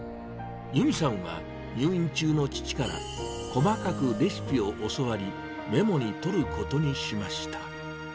由美さんは入院中の父から細かくレシピを教わり、メモに取ることにしました。